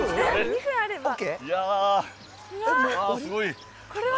すごい。